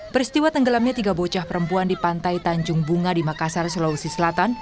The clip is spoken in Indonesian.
peristiwa tenggelamnya tiga bocah perempuan di pantai tanjung bunga di makassar sulawesi selatan